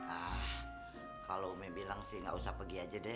ah kalau umi bilang sih nggak usah pergi aja deh